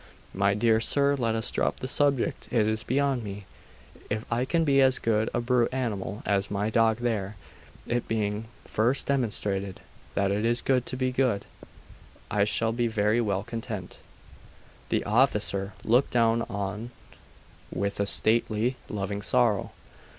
My dear sir, let us drop the subject. It is beyond me. If I can be as good a brute animal as my dog there it being first demonstrated that it is good to be good I shall be very well content.' The officer looked down on with a stately, loving sorrow.